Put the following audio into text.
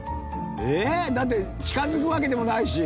えーっ？だって近づくわけでもないし。